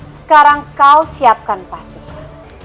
sekarang kau siapkan pasukan